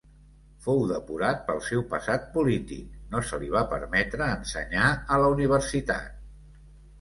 Fou depurat pel seu passat polític, no se li va permetre ensenyar a la Universitat.